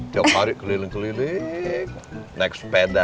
jokari keliling keliling naik sepeda